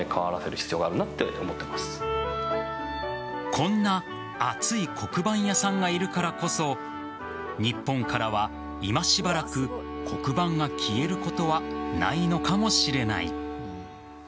こんな熱い黒板屋さんがいるからこそ日本からは今しばらく黒板が消えることはないのかもしれない。